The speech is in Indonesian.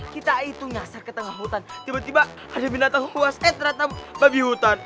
kita itu ngasar ke tengah hutan tiba tiba ada binatang huas eh ternyata babi hutan